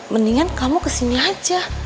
mendingan kamu kesini aja